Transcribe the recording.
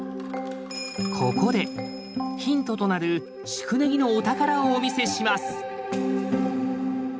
ここでヒントとなる宿根木のお宝をお見せします。